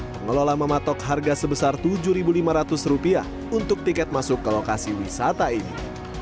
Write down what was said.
pengelola mematok harga sebesar rp tujuh lima ratus untuk tiket masuk ke lokasi wisata ini